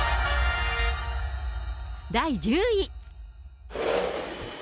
第１０位。